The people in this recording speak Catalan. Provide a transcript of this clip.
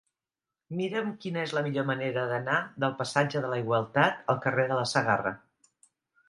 Mira'm quina és la millor manera d'anar del passatge de la Igualtat al carrer de la Segarra.